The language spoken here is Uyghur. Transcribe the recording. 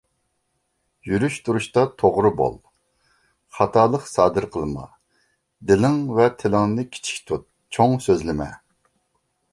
يۈرۈش تۇرۇشتا توغرا بول، خاتالىق سادىر قىلما. دىلىڭ ۋە تىلىڭنى كىچىك تۇت، چوڭ سۆزلىمە.